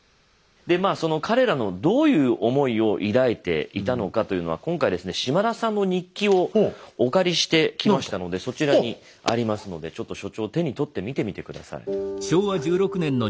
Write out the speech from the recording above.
彼らのどういう思いを抱いていたのかというのは今回ですね島田さんの日記をお借りしてきましたのでそちらにありますのでちょっと所長手に取って見てみて下さい。